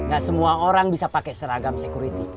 gak semua orang bisa pakai seragam security